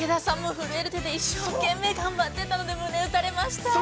震える手で一生懸命頑張ってたので胸を打たれました。